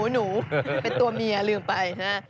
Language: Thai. หนูเป็นตัวเมียลืมไปนะ